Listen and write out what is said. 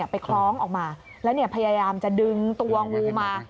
คล้องออกมาแล้วพยายามจะดึงตัวงูมา